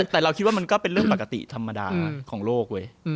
แต่เราคิดว่ามันก็เป็นเรื่องปกติธรรมดาของโลกเว้ย